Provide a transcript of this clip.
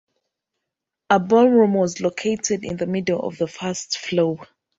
A ballroom was located in the middle on the first floor.